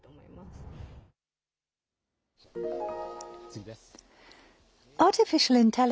次です。